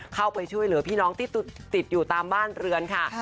เข้าไปช่วยเหลือพี่น้องที่ติดอยู่ตามบ้านเรือนค่ะ